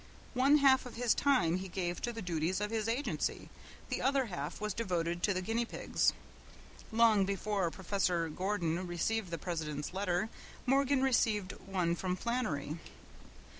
One half of his time he gave to the duties of his agency; the other half was devoted to the guinea pigs. Long before Professor Gordon received the president's letter Morgan received one from Flannery.